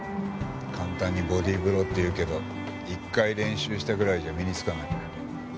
簡単にボディーブローって言うけど１回練習したぐらいじゃ身につかない。